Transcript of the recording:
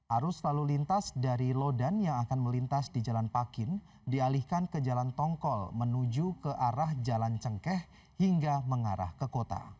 arus lalu lintas dari lodan yang akan melintas di jalan pakin dialihkan ke jalan tongkol menuju ke arah jalan cengkeh hingga mengarah ke kota